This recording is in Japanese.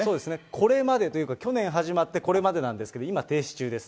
これまでというか、去年始まってこれまでなんですが、今、停止中です。